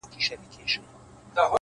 سیاه پوسي ده ورځ نه ده شپه ده